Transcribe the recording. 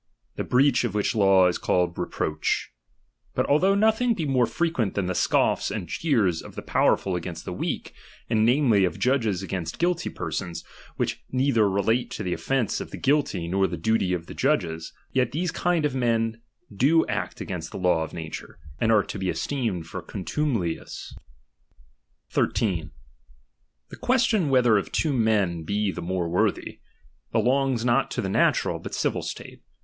The breach of which law is called reproach. But although nothing be more frequent than the scoffs and jeers of the powerful against the weak, and namely, of judges against guilty persons, which neither relate to the offence of the guilty, nor the duty of the judges ; yet these kind of men do act against the law of nature, and are to be esteemed for contumelious. ™. 13. The question whether of two men be the more worthy, belongs not to the natural, but civil state.